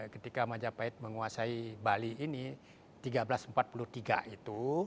ketika majapahit menguasai bali ini seribu tiga ratus empat puluh tiga itu